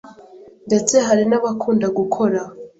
ndetse hari n’abakunda gukora